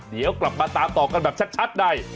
เดี๋ยวกลับมาตามต่อกันแบบชัดใน